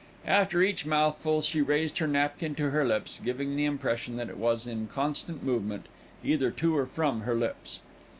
After each mouthful, she raised her napkin to her lips, giving the impression that it was in constant movement, either to or from her lips.